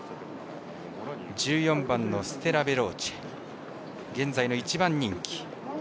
１４番ステラヴェローチェ現在の１番人気。